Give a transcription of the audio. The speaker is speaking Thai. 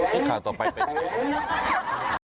พี่ขาต่อไปไปดีกว่า